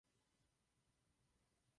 Cenu Mlok získali.